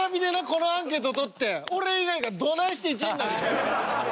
このアンケート取って俺以外がどないして１位になんねん！